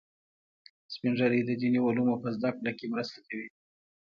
سپین ږیری د دیني علومو په زده کړه کې مرسته کوي